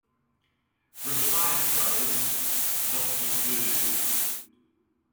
Retired players not included.